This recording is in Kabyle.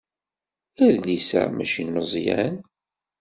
Adlis-a mačči n Meẓyan.